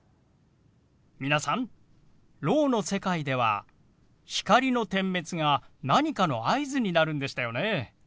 皆さんろうの世界では光の点滅が何かの合図になるんでしたよね。